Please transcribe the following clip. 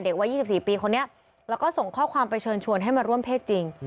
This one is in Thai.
วัย๒๔ปีคนนี้แล้วก็ส่งข้อความไปเชิญชวนให้มาร่วมเพศจริง